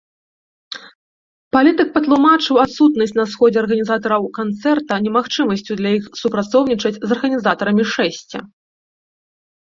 Палітык патлумачыў адсутнасць на сходзе арганізатараў канцэрта немагчымасцю для іх супрацоўнічаць з арганізатарамі шэсця.